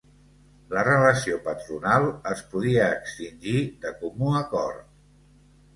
La relació patronal es podia extingir de comú acord.